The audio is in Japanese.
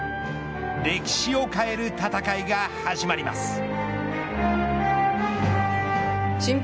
歴史を変える戦いが始まります。